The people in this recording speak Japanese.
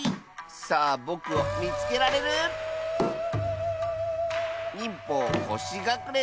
さあぼくをみつけられる？にんぽうコシがくれのじゅつ！